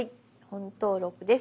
「本登録」です。